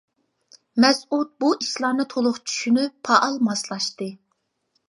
مەسئۇد بۇ ئىشلارنى تولۇق چۈشىنىپ پائال ماسلاشتى.